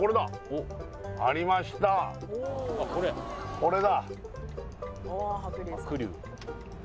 これだ